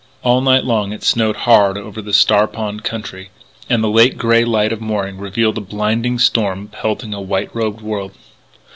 All night long it snowed hard over the Star Pond country, and the late grey light of morning revealed a blinding storm pelting a white robed world.